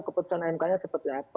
keputusan mk nya seperti apa